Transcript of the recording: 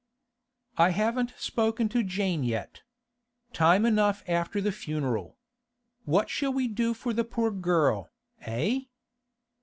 'I haven't spoken to Jane yet. Time enough after the funeral. What shall we do for the poor girl, eh?